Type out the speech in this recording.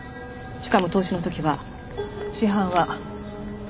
しかも凍死の時は死斑は。